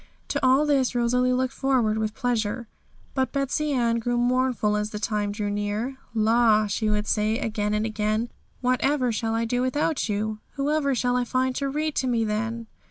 To all this Rosalie looked forward with pleasure. But Betsey Ann grew very mournful as the time drew near. 'La!' she would say, again and again; 'whatever shall I do without you? Whoever shall I find to read to me then?'